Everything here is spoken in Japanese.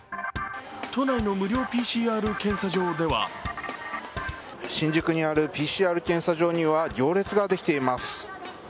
都内の無料ＰＣＲ検査場では新宿にあるＰＣＲ検査場では行列ができています。